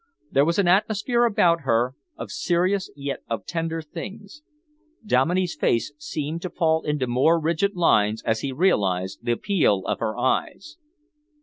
There was an atmosphere about her of serious yet of tender things. Dominey's face seemed to fall into more rigid lines as he realised the appeal of her eyes.